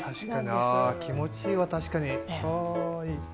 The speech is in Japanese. あ気持ちいいわ確かにあいい。